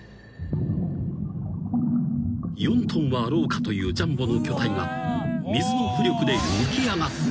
［４ｔはあろうかというジャンボの巨体が水の浮力で浮き上がった］